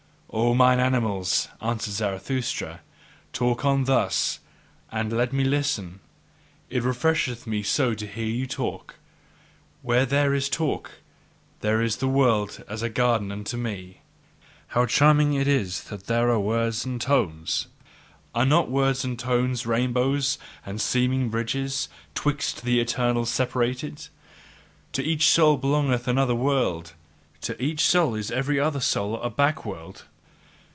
O mine animals, answered Zarathustra, talk on thus and let me listen! It refresheth me so to hear your talk: where there is talk, there is the world as a garden unto me. How charming it is that there are words and tones; are not words and tones rainbows and seeming bridges 'twixt the eternally separated? To each soul belongeth another world; to each soul is every other soul a back world.